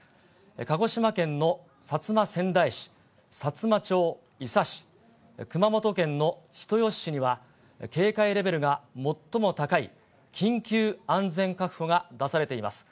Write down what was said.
鹿児島県の薩摩川内市、さつま町、伊佐市、熊本県の人吉市には、警戒レベルが最も高い、緊急安全確保が出されています。